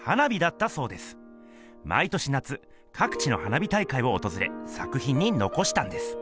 毎年夏かく地の花火大会をおとずれさくひんにのこしたんです。